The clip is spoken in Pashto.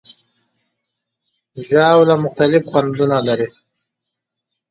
ژاوله مختلف خوندونه لري.